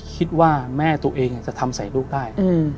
คิดว่าแม่ตัวเองจะทำใส่ลูกได้